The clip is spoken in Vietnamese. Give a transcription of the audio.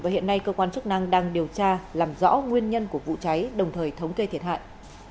hiện nay cơ quan chức năng đang điều tra làm rõ nguyên nhân của vụ cháy đồng thời thống kê thiệt hại